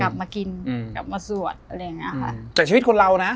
กลับมากินอืมกลับมาสวดอะไรอย่างเงี้ยค่ะจากชีวิตคนเรานะ